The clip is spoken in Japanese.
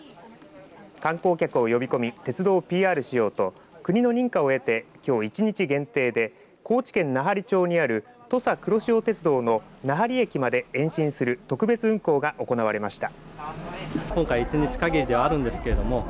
観光客を呼び込み鉄道をＰＲしようと国の認可を得てきょう一日限定で高知県奈半利町にある土佐くろしお鉄道の奈半利駅まで延伸する特別運行が行われました。